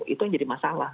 itu yang jadi masalah